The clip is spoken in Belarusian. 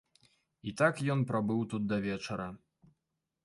І так ён прабыў тут да вечара.